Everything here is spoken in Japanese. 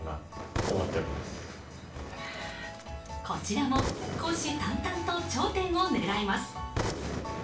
こちらも虎視眈々と頂点を狙います。